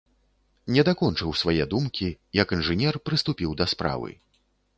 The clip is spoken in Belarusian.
Не дакончыў свае думкі, як інжынер прыступіў да справы.